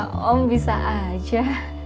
ah om bisa aja